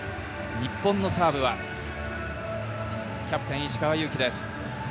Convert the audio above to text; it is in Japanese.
日本のサーブはキャプテン・石川祐希です。